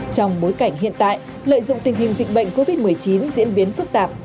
trong bối cảnh hiện tại lợi dụng tình hình dịch bệnh covid một mươi chín diễn biến phức tạp